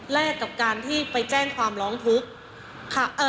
แรกกับการที่ไปแจ้งความร้องทุกข์ค่ะ